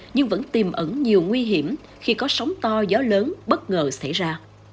nhưng vẫn tìm ẩn nhiều nguy hiểm khi có sóng to gió lớn bất ngờ xảy ra